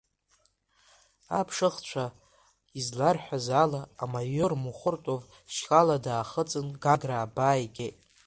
Аԥшыхәцәа изларҳәаз ала, амаиор Мухортов шьхала даахыҵын, Гагра абаа игеит.